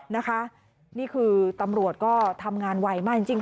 นะคะนี่คือตำรวจก็ทำงานไวมากจริง